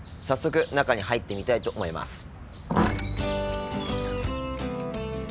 早速中に入ってみたいと思います。